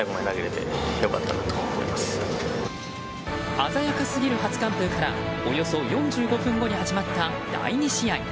鮮やかすぎる初完封からおよそ４５分後に始まった第２試合。